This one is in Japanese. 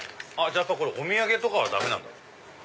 じゃあお土産とかはダメなんだ。